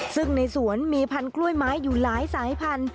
ซึ่งในสวนมีพันธุ์กล้วยไม้อยู่หลายสายพันธุ